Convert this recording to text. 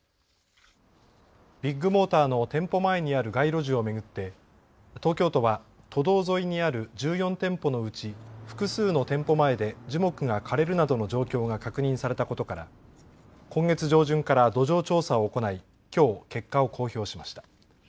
ビッグモーターの店舗前にある街路樹を巡って東京都は都道沿いにある１４店舗のうち複数の店舗前で樹木が枯れるなどの状況が確認されたことから今月上旬から土壌調査を行い、きょう結果を公表しました。